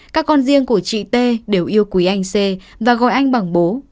các con riêng của chị t đều yêu quý anh xê và gọi anh bằng bố